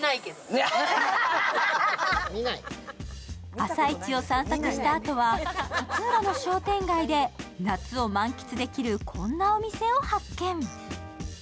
朝市を散策したあとは勝浦の商店街で夏を満喫できるこんなお店を発見。